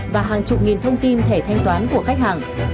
và hàng chục nghìn thông tin thẻ thanh toán của khách hàng